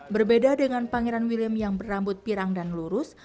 berbeda dengan pangeran william yang berambut pirang dan lurus